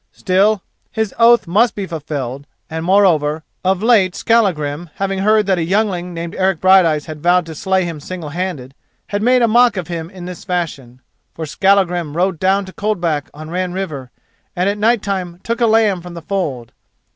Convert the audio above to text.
Still, his oath must be fulfilled, and, moreover, of late Skallagrim having heard that a youngling named Eric Brighteyes had vowed to slay him single handed, had made a mock of him in this fashion. For Skallagrim rode down to Coldback on Ran River and at night time took a lamb from the fold.